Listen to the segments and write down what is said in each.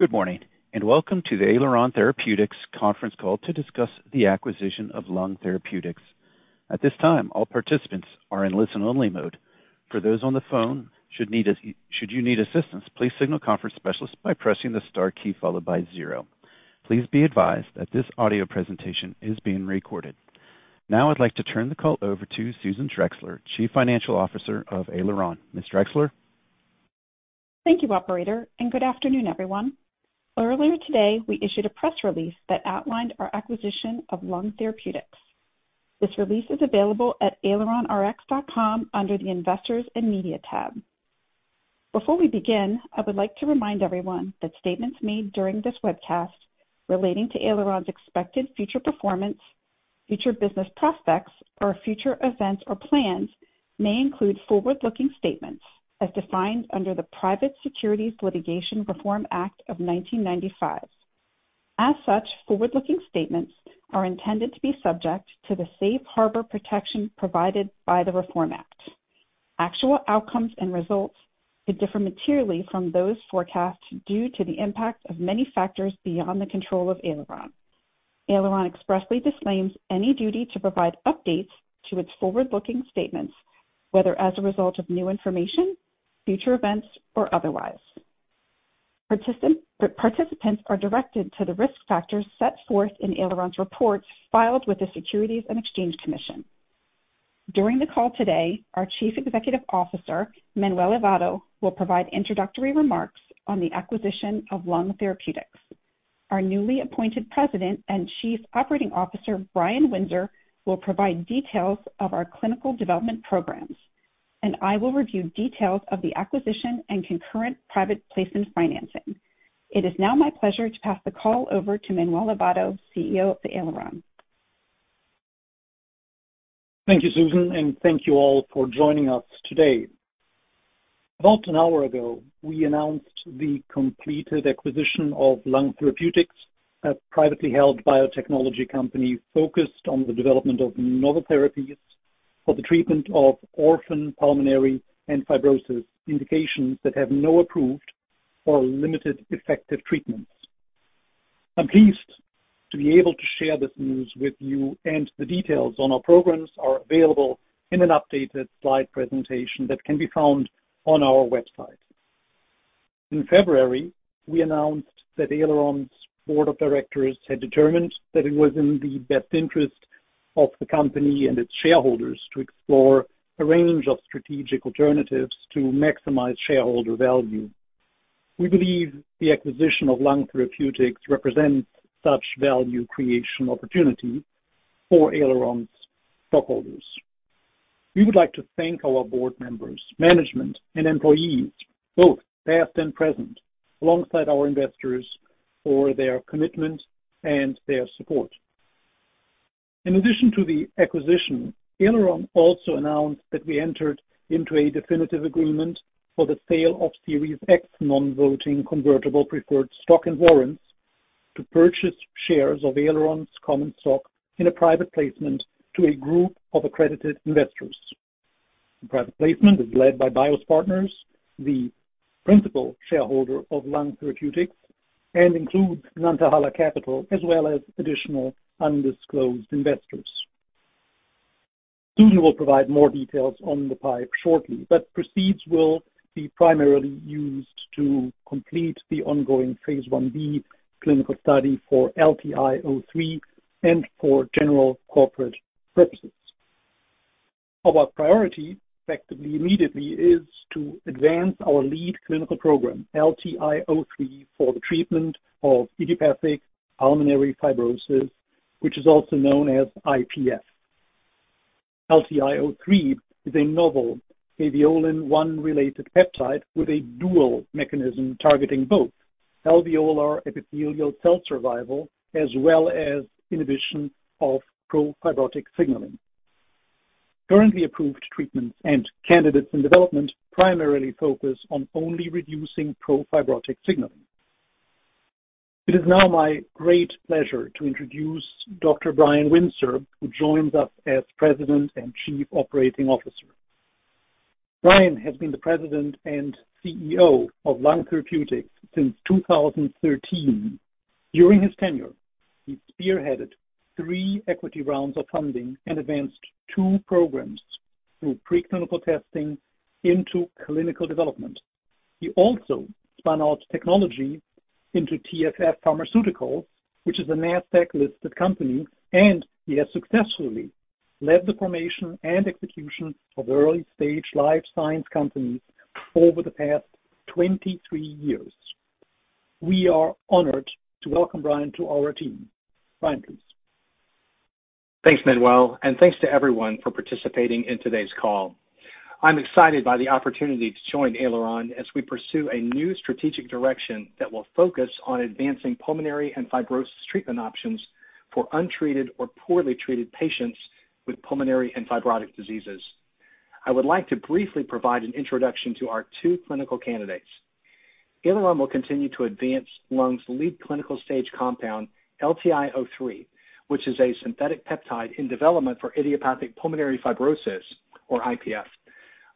Good morning, and Welcome to the Aileron Therapeutics Conference Call to discuss the acquisition of Lung Therapeutics. At this time, all participants are in listen-only mode. For those on the phone, should you need assistance, please signal conference specialist by pressing the star key followed by zero. Please be advised that this audio presentation is being recorded. Now I'd like to turn the call over to Susan Drexler, Chief Financial Officer of Aileron. Ms. Drexler? Thank you, operator, and good afternoon, everyone. Earlier today, we issued a press release that outlined our acquisition of Lung Therapeutics. This release is available at aileronrx.com under the Investors and Media tab. Before we begin, I would like to remind everyone that statements made during this webcast relating to Aileron's expected future performance, future business prospects, or future events or plans may include forward-looking statements as defined under the Private Securities Litigation Reform Act of 1995. As such, forward-looking statements are intended to be subject to the safe harbor protection provided by the Reform Act. Actual outcomes and results could differ materially from those forecasts due to the impact of many factors beyond the control of Aileron. Aileron expressly disclaims any duty to provide updates to its forward-looking statements, whether as a result of new information, future events, or otherwise. Participants are directed to the risk factors set forth in Aileron's reports filed with the Securities and Exchange Commission. During the call today, our Chief Executive Officer, Manuel Aivado, will provide introductory remarks on the acquisition of Lung Therapeutics. Our newly appointed President and Chief Operating Officer, Brian Windsor, will provide details of our clinical development programs, and I will review details of the acquisition and concurrent private placement financing. It is now my pleasure to pass the call over to Manuel Aivado, CEO of Aileron. Thank you, Susan, and thank you all for joining us today. About an hour ago, we announced the completed acquisition of Lung Therapeutics, a privately held biotechnology company focused on the development of novel therapies for the treatment of orphan, pulmonary, and fibrosis indications that have no approved or limited effective treatments. I'm pleased to be able to share this news with you, and the details on our programs are available in an updated slide presentation that can be found on our website. In February, we announced that Aileron's board of directors had determined that it was in the best interest of the company and its shareholders to explore a range of strategic alternatives to maximize shareholder value. We believe the acquisition of Lung Therapeutics represents such value creation opportunity for Aileron's stockholders. We would like to thank our board members, management, and employees, both past and present, alongside our investors, for their commitment and their support. In addition to the acquisition, Aileron also announced that we entered into a definitive agreement for the sale of Series X non-voting convertible preferred stock and warrants to purchase shares of Aileron's common stock in a private placement to a group of accredited investors. The private placement is led by Bios Partners, the principal shareholder of Lung Therapeutics, and includes Nantahala Capital, as well as additional undisclosed investors. Susan will provide more details on the PIPE shortly, but proceeds will be primarily used to complete the ongoing Phase 1b clinical study for LTI-03 and for general corporate purposes. Our priority, effectively immediately, is to advance our lead clinical program, LTI-03, for the treatment of idiopathic pulmonary fibrosis, which is also known as IPF. LTI-03 is a novel Caveolin-1 related peptide with a dual mechanism targeting both alveolar epithelial cell survival as well as inhibition of profibrotic signaling. Currently approved treatments and candidates in development primarily focus on only reducing profibrotic signaling. It is now my great pleasure to introduce Dr. Brian Windsor, who joins us as President and Chief Operating Officer. Brian has been the President and CEO of Lung Therapeutics since 2013. During his tenure, he spearheaded three equity rounds of funding and advanced two programs through preclinical testing into clinical development. He also spun out technology into TFF Pharmaceuticals, which is a NASDAQ-listed company, and he has successfully led the formation and execution of early-stage life science companies over the past 23 years. We are honored to welcome Brian to our team. Brian, please. Thanks, Manuel, and thanks to everyone for participating in today's call. I'm excited by the opportunity to join Aileron as we pursue a new strategic direction that will focus on advancing pulmonary and fibrosis treatment options for untreated or poorly treated patients with pulmonary and fibrotic diseases. I would like to briefly provide an introduction to our two clinical candidates. Aileron will continue to advance Lung's lead clinical stage compound, LTI-03, which is a synthetic peptide in development for idiopathic pulmonary fibrosis or IPF.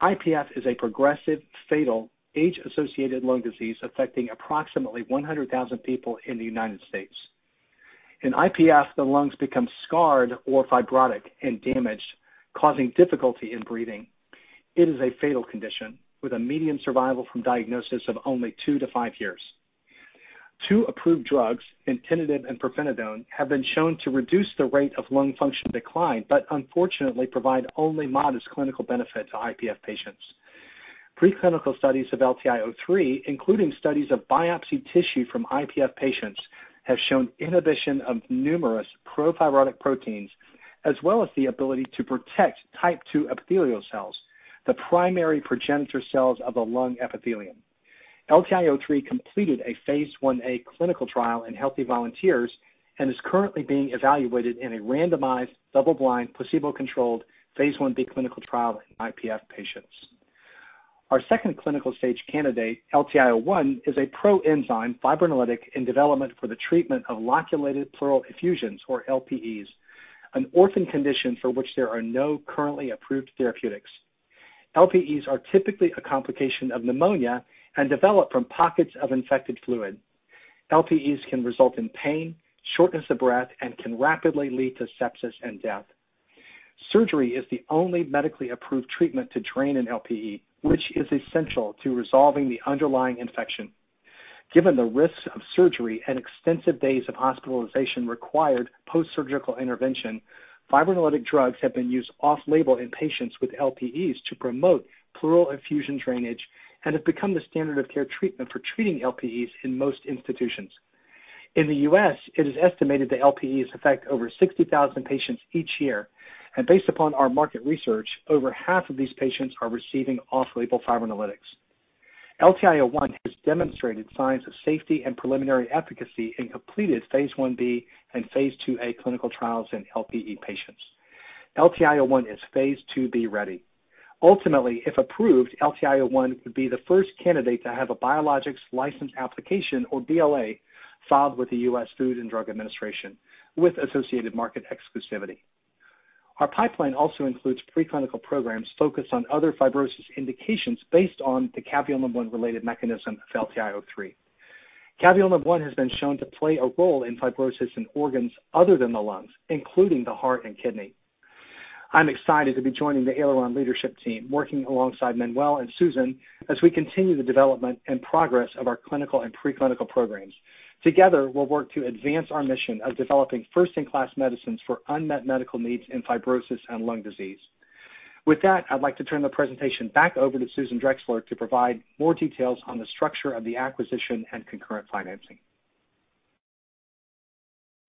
IPF is a progressive, fatal, age-associated lung disease affecting approximately 100,000 people in the United States. In IPF, the lungs become scarred or fibrotic and damaged, causing difficulty in breathing. It is a fatal condition, with a median survival from diagnosis of only 2 years-5 years. Two approved drugs, nintedanib and pirfenidone, have been shown to reduce the rate of lung function decline, but unfortunately provide only modest clinical benefit to IPF patients. Preclinical studies of LTI-03, including studies of biopsy tissue from IPF patients, have shown inhibition of numerous profibrotic proteins, as well as the ability to protect Type II epithelial cells, the primary progenitor cells of the lung epithelium. LTI-03 completed a phase 1a clinical trial in healthy volunteers and is currently being evaluated in a randomized, double-blind, placebo-controlled Phase 1b clinical trial in IPF patients. Our second clinical stage candidate, LTI-01, is a proenzyme fibrinolytic in development for the treatment of loculated pleural effusions, or LPEs, an orphan condition for which there are no currently approved therapeutics. LPEs are typically a complication of pneumonia and develop from pockets of infected fluid. LPEs can result in pain, shortness of breath, and can rapidly lead to sepsis and death. Surgery is the only medically approved treatment to drain an LPE, which is essential to resolving the underlying infection. Given the risks of surgery and extensive days of hospitalization required post-surgical intervention, fibrinolytic drugs have been used off-label in patients with LPEs to promote pleural effusion drainage and have become the standard of care treatment for treating LPEs in most institutions. In the U.S., it is estimated that LPEs affect over 60,000 patients each year, and based upon our market research, over half of these patients are receiving off-label fibrinolytics. LTI-01 has demonstrated signs of safety and preliminary efficacy in completed Phase 1b and Phase 2a clinical trials in LPE patients. LTI-01 is Phase 2b ready. Ultimately, if approved, LTI-01 would be the first candidate to have a Biologics License Application, or BLA, filed with the U.S. Food and Drug Administration, with associated market exclusivity. Our pipeline also includes preclinical programs focused on other fibrosis indications based on the Caveolin-1-related mechanism of LTI-01. Caveolin-1 has been shown to play a role in fibrosis in organs other than the lungs, including the heart and kidney. I'm excited to be joining the Aileron leadership team, working alongside Manuel and Susan as we continue the development and progress of our clinical and preclinical programs. Together, we'll work to advance our mission of developing first-in-class medicines for unmet medical needs in fibrosis and lung disease. With that, I'd like to turn the presentation back over to Susan Drexler to provide more details on the structure of the acquisition and concurrent financing.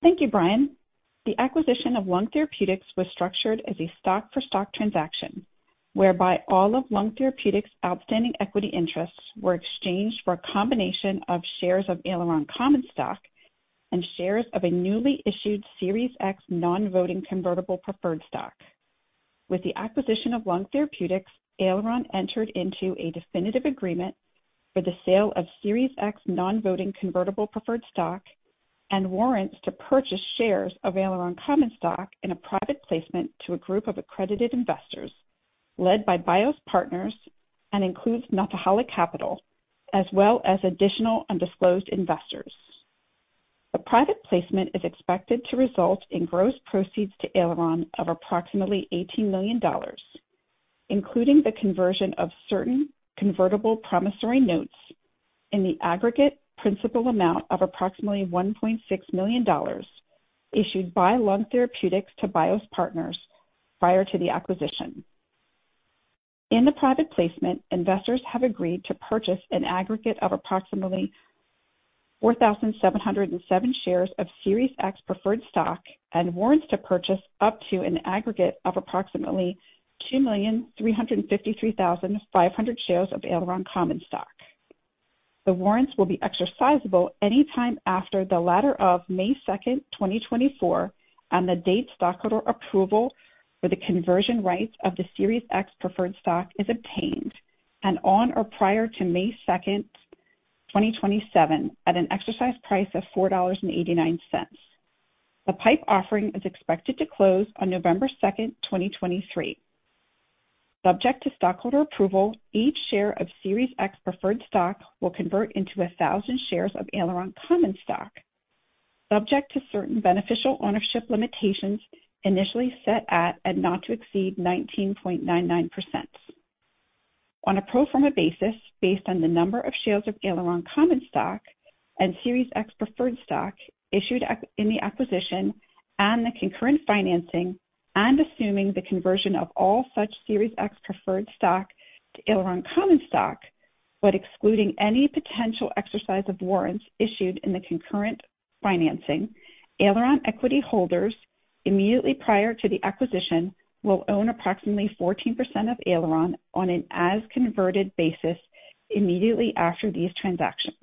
Thank you, Brian. The acquisition of Lung Therapeutics was structured as a stock-for-stock transaction, whereby all of Lung Therapeutics' outstanding equity interests were exchanged for a combination of shares of Aileron common stock and shares of a newly issued Series X non-voting convertible preferred stock. With the acquisition of Lung Therapeutics, Aileron entered into a definitive agreement for the sale of Series X non-voting convertible preferred stock and warrants to purchase shares of Aileron common stock in a private placement to a group of accredited investors led by Bios Partners and includes Nantahala Capital, as well as additional undisclosed investors. The private placement is expected to result in gross proceeds to Aileron of approximately $18 million, including the conversion of certain convertible promissory notes in the aggregate principal amount of approximately $1.6 million, issued by Lung Therapeutics to Bios Partners prior to the acquisition. In the private placement, investors have agreed to purchase an aggregate of approximately 4,707 shares of Series X preferred stock and warrants to purchase up to an aggregate of approximately 2,353,500 shares of Aileron common stock. The warrants will be exercisable any time after the latter of May 2nd, 2024, on the date stockholder approval for the conversion rights of the Series X preferred stock is obtained, and on or prior to May 2nd, 2027, at an exercise price of $4.89. The PIPE offering is expected to close on November 2nd, 2023. Subject to stockholder approval, each share of Series X preferred stock will convert into 1,000 shares of Aileron common stock, subject to certain beneficial ownership limitations initially set at and not to exceed 19.99%. On a pro forma basis, based on the number of shares of Aileron common stock and Series X preferred stock issued in the acquisition and the concurrent financing, and assuming the conversion of all such Series X preferred stock to Aileron common stock, but excluding any potential exercise of warrants issued in the concurrent financing, Aileron equity holders immediately prior to the acquisition will own approximately 14% of Aileron on an as-converted basis immediately after these transactions.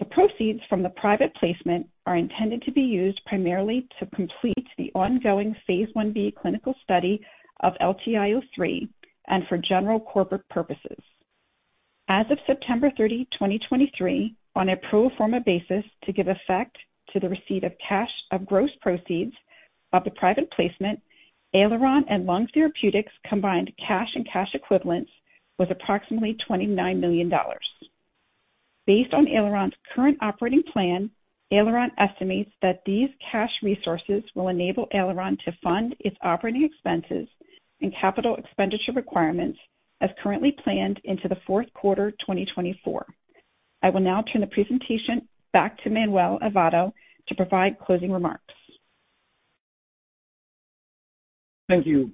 The proceeds from the private placement are intended to be used primarily to complete the ongoing Phase 1b clinical study of LTI-03 and for general corporate purposes. As of September 30, 2023, on a pro forma basis, to give effect to the receipt of cash of gross proceeds of the private placement, Aileron and Lung Therapeutics' combined cash and cash equivalents was approximately $29 million. Based on Aileron's current operating plan, Aileron estimates that these cash resources will enable Aileron to fund its operating expenses and capital expenditure requirements as currently planned into the fourth quarter 2024. I will now turn the presentation back to Manuel Aivado to provide closing remarks. Thank you,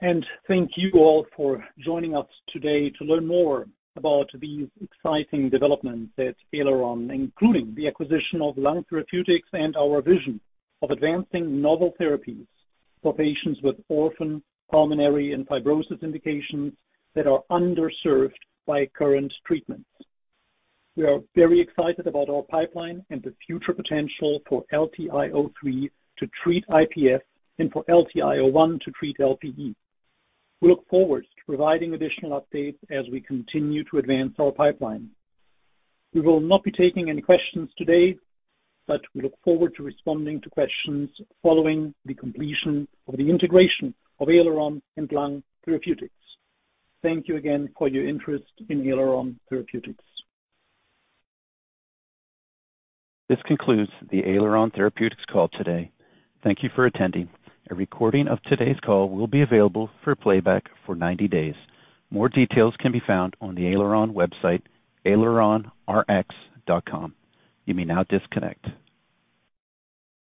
and thank you all for joining us today to learn more about these exciting developments at Aileron, including the acquisition of Lung Therapeutics and our vision of advancing novel therapies for patients with orphan pulmonary and fibrosis indications that are underserved by current treatments. We are very excited about our pipeline and the future potential for LTI-03 to treat IPF and for LTI-01 to treat LPE. We look forward to providing additional updates as we continue to advance our pipeline. We will not be taking any questions today, but we look forward to responding to questions following the completion of the integration of Aileron and Lung Therapeutics. Thank you again for your interest in Aileron Therapeutics. This concludes the Aileron Therapeutics call today. Thank you for attending. A recording of today's call will be available for playback for 90 days. More details can be found on the Aileron website, aileronrx.com. You may now disconnect.